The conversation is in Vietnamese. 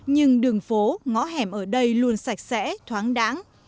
nhưng đường phố ngõ hẻm ở đây luôn sạch sẽ thoáng đáng